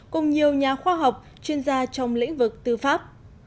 cùng nhiều nhà khoa học chuyên gia trong lĩnh vực tư pháp